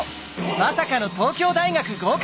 まさかの東京大学合格！